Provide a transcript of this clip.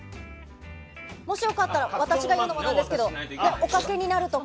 もし良かったら私が言うのもなんですけどおかけになるとか。